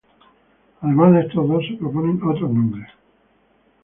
Además de estos dos, se proponen otros nombres.